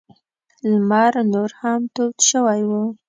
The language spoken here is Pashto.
لمر نور هم تود شوی و.